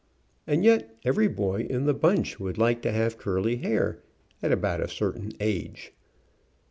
And yet every boy in the bunch would like to have curly hair, at about a certain age.